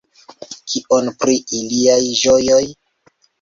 Kion pri iliaj ĝojoj?